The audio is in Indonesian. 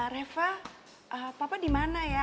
reva papa di mana ya